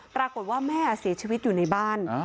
ปรากฏว่าแม่เสียชีวิตอยู่ในบ้าน